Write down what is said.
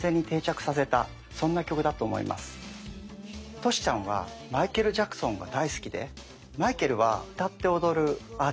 トシちゃんはマイケル・ジャクソンが大好きでマイケルは歌って踊るアーティスト。